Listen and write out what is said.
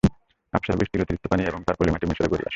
হাবশার বৃষ্টির অতিরিক্ত পানি এবং তার পলিমাটি মিসরে গড়িয়ে আসে।